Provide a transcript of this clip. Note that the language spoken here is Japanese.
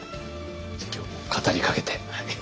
じゃあ今日も語りかけて。